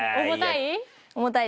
重たい？